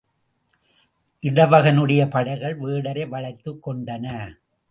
இடவகனுடைய படைகள் வேடரை வளைத்துக் கொண்டன.